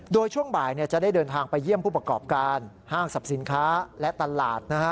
โดยช่วงบ่ายจะได้เดินทางไปเยี่ยมผู้ประกอบการห้างสรรพสินค้าและตลาด